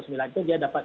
itu dia dapat